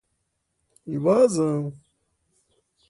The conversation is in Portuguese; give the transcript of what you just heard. invasão